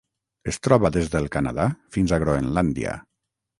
Es troba des del Canadà fins a Groenlàndia.